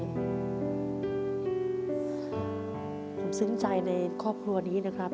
ผมซึ้งใจในครอบครัวนี้นะครับ